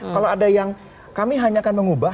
kalau ada yang kami hanya akan mengubah